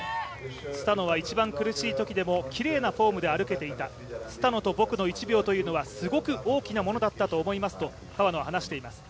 スタノは一番苦しいときでも、きれいなフォームで歩けていたスタノと僕の１秒というのはすごく大きなものだったと思いますと川野は話しています。